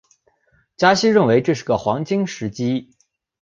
加西认为这是个黄金时机。